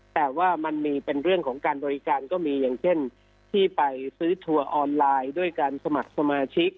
แต่ว่ามันมีเป็นเรื่องของการบริการก็มีอย่างเช่นที่ไปซื้อทัวร์ออนไลน์ด้วยการสมัครสมาชิก